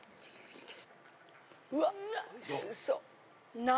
うわっおいしそ！